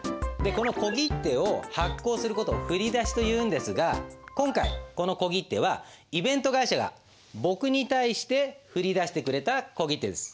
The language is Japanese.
この小切手を発行する事を「振り出し」というんですが今回この小切手はイベント会社が僕に対して振り出してくれた小切手です。